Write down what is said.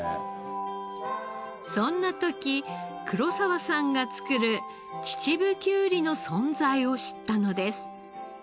そんな時黒澤さんが作る秩父きゅうりの存在を知ったのです。